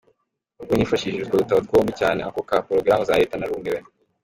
Ubwo nifashishije utwo dutabo twombi, cyane ako ka porogaramu za leta, ‘ narumiwe’ .